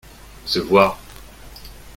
se voir.